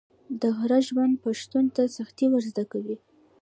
د غره ژوند پښتون ته سختي ور زده کوي.